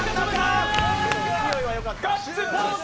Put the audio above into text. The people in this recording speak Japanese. ガッツポーズ！